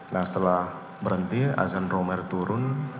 nah setelah berhenti azan romer turun